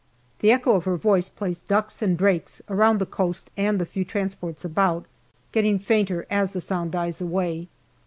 The echo of her voice plays ducks and drakes around the coast and the few transports about, getting fainter as the sound dies away.